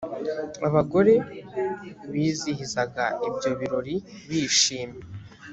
abagore bizihizaga ibyo birori bishimye